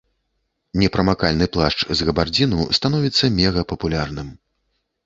Непрамакальны плашч з габардзіну становіцца мегапапулярным.